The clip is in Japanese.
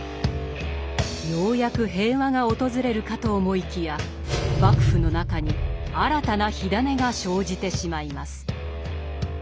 ようやく平和が訪れるかと思いきや幕府の中に新たな火種が生じてしまいます。